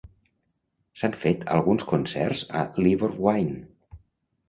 S'han fet alguns concerts a Ivor Wynne.